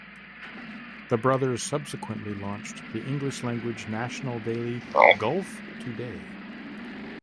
The brothers subsequently launched the English language national daily "Gulf Today".